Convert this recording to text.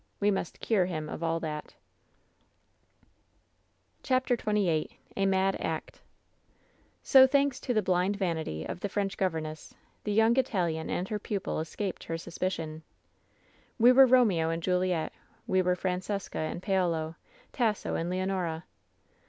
We must cure him of all that/ " CHAPTEE XXVin A MAD ACT "So THANKS to the blind vanity of the French govern ness, the young Italian and her pupil escaped her suspicion. "We were Eomeo and Juliet. We were Erancesca and Paolo, Tasso and Leonora.